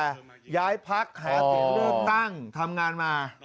อ๋อเริ่มตั้งทำงานมา